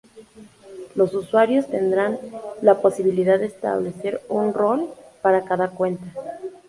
Los usuarios tendrán la posibilidad de establecer un "rol" para cada cuenta.